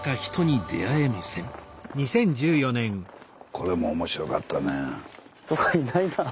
これも面白かったね。